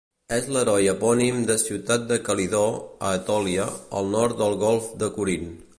És l'heroi epònim de ciutat de Calidó, a Etòlia, al nord del golf de Corint.